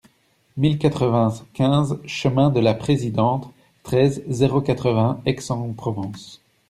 mille quatre-vingt-quinze chemin de la Présidente, treize, zéro quatre-vingts, Aix-en-Provence